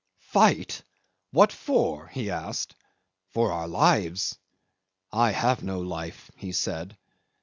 "Fight! What for?" he asked. "For our lives." "I have no life," he said.